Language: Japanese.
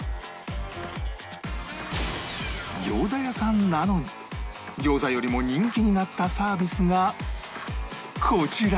餃子屋さんなのに餃子よりも人気になったサービスがこちら